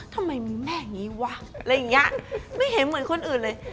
ทำไมมีแม่งี้วะไม่เหมือนคนอื่นอะไร